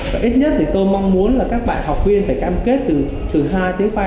và ít nhất thì tôi mong muốn là các bạn học viên phải cam kết từ hai đến ba